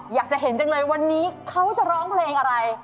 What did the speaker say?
อยากจะเห็นจังเลยวันนี้เขาจะร้องเพลงอะไร